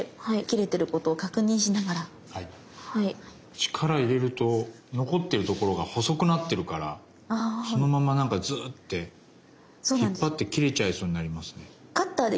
力入れると残ってるところが細くなってるからそのままなんかズーッて引っ張って切れちゃいそうになりますね。